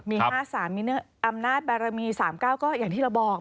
อุ๊ยแอบไฮเปอร์มี๕๓มีอำนาจแบรมี๓๙ก็อย่างที่เราบอก